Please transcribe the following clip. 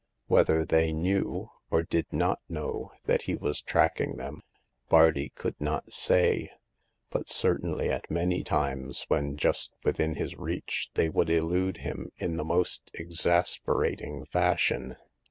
Whether they knew, or did not know, that he was tracking them, Bardi could not say ; but certainly at many times when just within his reach they would elude him in the most exasperating fash ion.